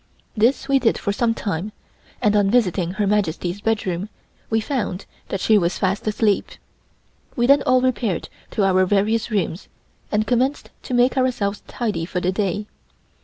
This we did for some time, and on visiting Her Majesty's bedroom, we found that she was fast asleep. We then all repaired to our various rooms and commenced to make ourselves tidy for the day.